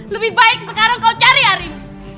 lebih baik sekarang kau cari harimu